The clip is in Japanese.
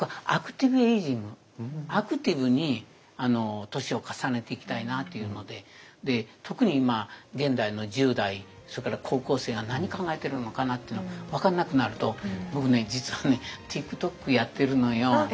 僕はアクティブに年を重ねていきたいなというので特に今現代の１０代それから高校生が何考えてるのかなっていうの分からなくなると僕ね実はねＴｉｋＴｏｋやってるのよ。